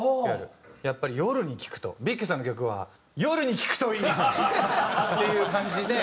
「やっぱり夜に聴くとビッケさんの曲は夜に聴くといい！」っていう感じで。